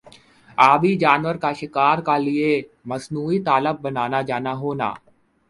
آبی جانور کا شکار کا لئے مصنوعی تالاب بننا جانا ہونا